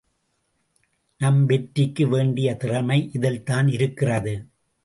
நம் வெற்றிக்கு வேண்டிய திறமை இதில்தான் இருக்கிறது.